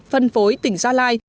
phân phối tỉnh gia lai